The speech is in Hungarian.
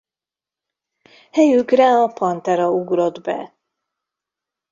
Helyükre a Pantera ugrott be.